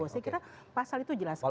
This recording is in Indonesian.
saya kira pasal itu jelas sekali